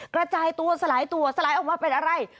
กระจายตัวสลายตัวสลายออกมาเป็นอะไร